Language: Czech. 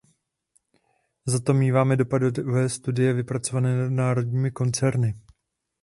Zato míváme dopadové studie vypracované nadnárodními koncerny.